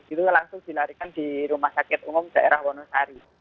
itu langsung dilarikan di rumah sakit umum daerah wonosari